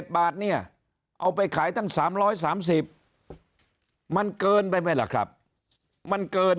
บาทเนี่ยเอาไปขายตั้ง๓๓๐มันเกินไปไหมล่ะครับมันเกิน